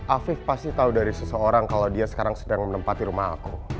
afif pasti tahu dari seseorang kalau dia sekarang sedang menempati rumah aku